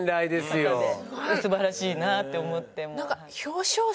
素晴らしいなって思ってもう。